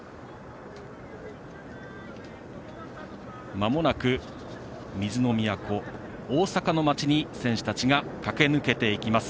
まもなく水の都・大阪の街に選手たちが駆け抜けていきます。